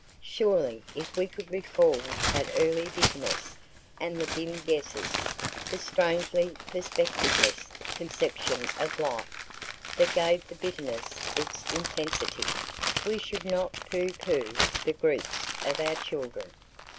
Surely if we could recall that early bitterness, and the dim guesses, the strangely perspectiveless conception of life, that gave the bitterness its intensity, we should not pooh pooh the griefs of our children.